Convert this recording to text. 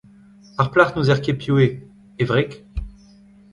Ar plac’h n’ouzer ket piv eo : e wreg ?